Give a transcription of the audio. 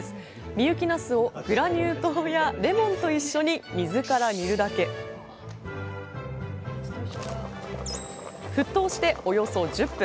深雪なすをグラニュー糖やレモンと一緒に水から煮るだけ沸騰しておよそ１０分。